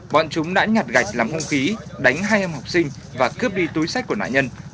bọn chúng đã nhặt gạch làm hông khí đánh hai em học sinh và cướp đi túi sách của nạn nhân